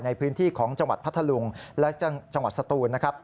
ในพื้นที่ของจังหวัดพัทธลุงและจังหวัดสตูนนะครับ